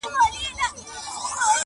د یوه معتاد لخوا -